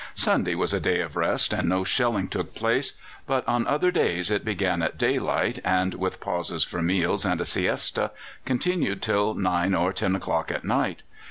Sunday was a day of rest and no shelling took place, but on other days it began at daylight, and, with pauses for meals and a siesta, continued till nine or ten o'clock at night.